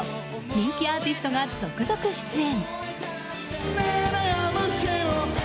人気アーティストが続々出演。